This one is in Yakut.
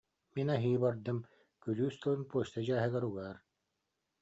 Мин аһыы бардым, күлүүс тылын почта дьааһыгар угаар